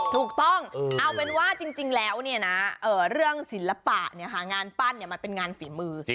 ถูกต้องเอาเป็นว่าจริงแล้วเนี่ยนะเรื่องศิลปะเนี่ยค่ะงานปั้นเนี่ยมันเป็นงานฝีมือ